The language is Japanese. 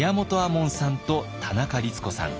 門さんと田中律子さん。